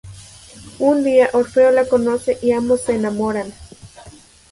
Un día Orfeo la conoce y ambos se enamoran.